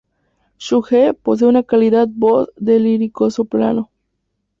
Sun-hee posee una cálida voz de lírico-soprano.